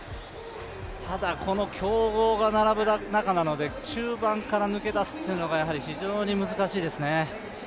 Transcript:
ただ、この強豪が並ぶ中なので中盤から抜け出すっていうのがやはり非常に難しいですね。